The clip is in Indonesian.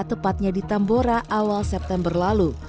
tepatnya di tambora awal september lalu